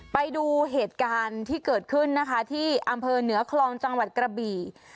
ไปดูเหตุการณ์ที่เกิดขึ้นนะคะที่อำเภอเหนือคลองจังหวัดกระบี่